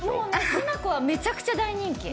しなこはめちゃくちゃ大人気。